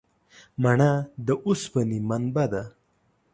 مڼه د اوسپنې منبع ده.